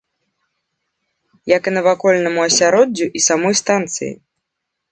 Як і навакольнаму асяроддзю і самой станцыі.